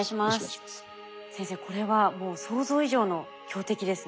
先生これはもう想像以上の強敵ですね。